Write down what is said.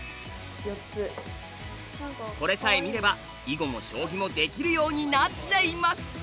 これさえ見れば囲碁も将棋もできるようになっちゃいます！